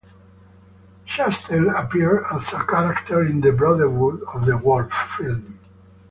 Chastel appeared as a character in the "Brotherhood of the Wolf" film.